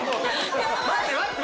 待って待って！